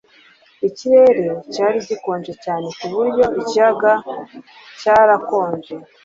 Ikirere cyari gikonje cyane ku buryo ikiyaga cyarakonje